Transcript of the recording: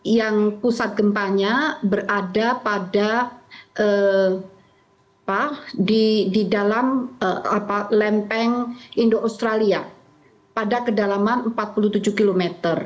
yang pusat gempanya berada pada di dalam lempeng indo australia pada kedalaman empat puluh tujuh km